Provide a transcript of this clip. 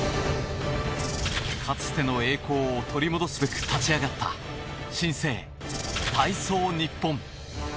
かつての栄光を取り戻すべく立ち上がった新生体操日本。